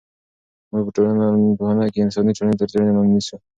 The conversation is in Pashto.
موږ په ټولنپوهنه کې انساني ټولنې تر څېړنې لاندې نیسو.